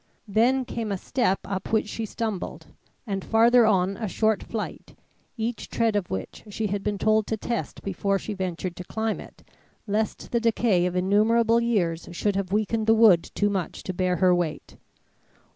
Then came a step up which she stumbled, and farther on a short flight, each tread of which she had been told to test before she ventured to climb it, lest the decay of innumerable years should have weakened the wood too much to bear her weight.